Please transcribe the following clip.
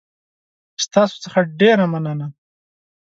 ستاسو څخه ډېره مننه